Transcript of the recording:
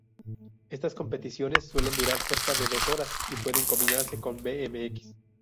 Estas competiciones suelen durar cerca de dos horas y pueden combinarse con bmx.